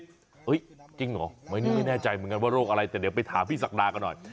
จริงเหรอไม่รู้ไม่แน่ใจเหมือนกันว่าโรคอะไรแต่เดี๋ยวไปถามพี่ศักดากันหน่อย